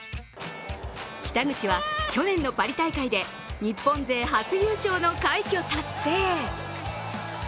北口は、去年のパリ大会で日本勢初優勝の快挙達成。